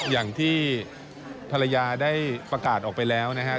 อย่างที่ภรรยาได้ประกาศออกไปแล้วนะครับ